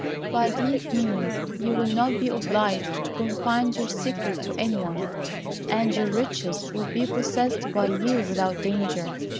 By this means you will not be obliged to confide your secret to any one, and your riches will be possessed by you without danger.